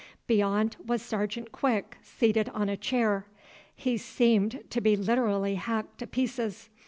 Beyond was Sergeant Quick, seated on a chair. He seemed to be literally hacked to pieces.